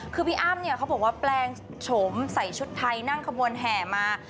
คือพี่อ้ำเนี่ยเขาบอกว่าแปลงโฉมใส่ชุดไทยนั่งขบวนแห่มา